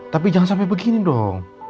tapi jangan sampai begini dong